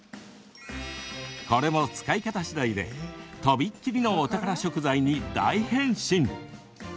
これも使い方次第でとびっきりのお宝食材に大変身。